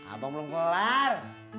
abang belum keluar